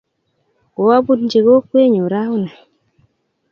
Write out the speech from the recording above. Koabuchi kokwenyo rauni